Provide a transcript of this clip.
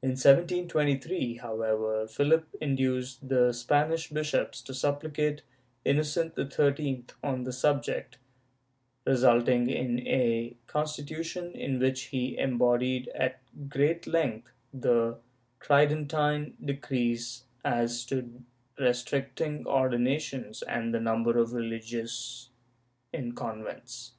In 1723, however, Philip induced the Spanish bishops to supplicate Innocent XIII on the subject, resulting in a constitution in which he embodied at great length the Tridentine decrees as to restricting ordinations and the number of religious in convents.